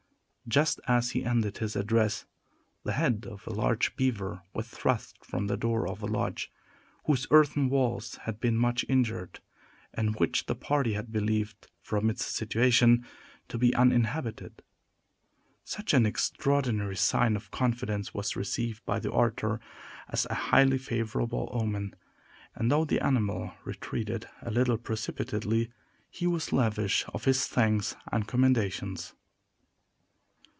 Just as he ended his address, the head of a large beaver was thrust from the door of a lodge, whose earthen walls had been much injured, and which the party had believed, from its situation, to be uninhabited. Such an extraordinary sign of confidence was received by the orator as a highly favorable omen; and though the animal retreated a little precipitately, he was lavish of his thanks and commendations.